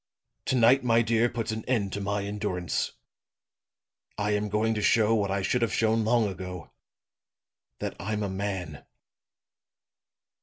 To night, my dear, puts an end to my endurance. I am going to show what I should have shown long ago that I'm a man.'